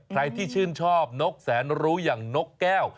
ใครที่ชื่นชอบนกแสนรู้อย่างนกแก้ว